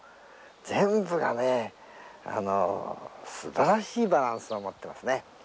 全部が素晴らしいバランスを持ってますね。